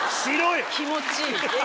気持ちいい。